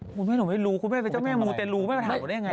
คุณแม่หนูไม่รู้คุณแม่เจ้าแม่มูเต็นรู้แม่หนูถามว่าได้ยังไง